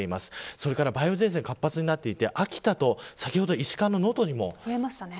それから梅雨前線が活発になっていて、秋田と先ほど石川の能登にも。